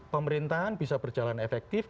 pemerintahan bisa berjalan efektif